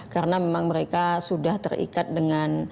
karena memang mereka sudah terikat dengan